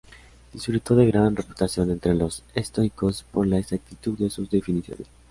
Disfrutó de gran reputación entre los estoicos por la exactitud de sus definiciones.